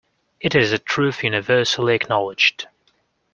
It is a truth universally acknowledged.